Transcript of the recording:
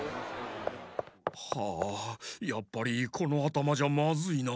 はあやっぱりこのあたまじゃまずいな。